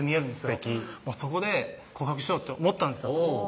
すてきそこで告白しようって思ったんですよ